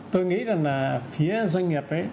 tôi nghĩ là phía doanh nghiệp